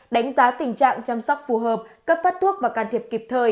đánh giá tình trạng chăm sóc phù hợp cấp phát thuốc và can thiệp kịp thời